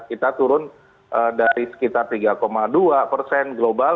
kita turun dari sekitar tiga dua persen global